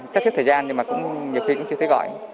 sắp xếp thời gian nhưng mà cũng nhiều khi cũng chưa thấy gọi